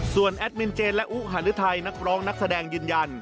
ส่วนแอดมินเจนและอุหารุทัยนักร้องนักแสดงยืนยัน